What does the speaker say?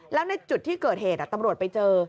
แล้วในจุดที่เกิดเหตุตำรวจไปเจอ